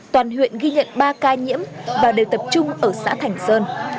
toàn huyện ghi nhận ba ca nhiễm và đều tập trung ở xã thành sơn